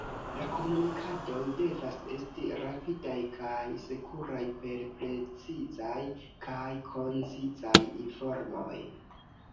La komunikadoj devas esti rapidaj kaj sekuraj per precizaj kaj koncizaj informoj.